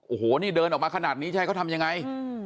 โอ้โหนี่เดินออกมาขนาดนี้จะให้เขาทำยังไง